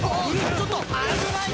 ちょっと危ないって！